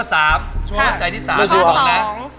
๓สมัยค่ะ